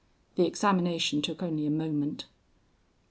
The examination took only a moment.